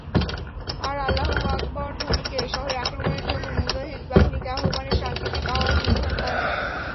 আর আল্লাহু আকবার ধ্বনিকে শহরে আক্রমণের জন্য মুজাহিদ বাহিনীকে আহবানের সাংকেতিক আওয়াজ নির্ধারণ করলেন।